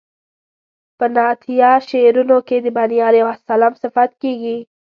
په نعتیه شعرونو کې د بني علیه السلام صفت کیږي.